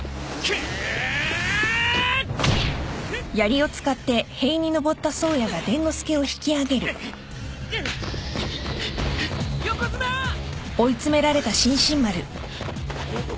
くっ。